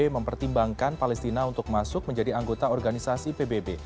mempertimbangkan palestina untuk masuk menjadi anggota organisasi pbb